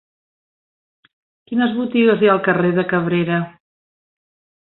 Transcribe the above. Quines botigues hi ha al carrer de Cabrera?